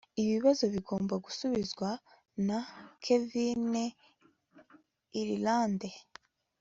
ibibazo bigomba gusubizwa. na kevini irilande